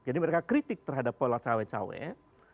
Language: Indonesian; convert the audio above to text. jadi mereka kritik terhadap pola cowek cowek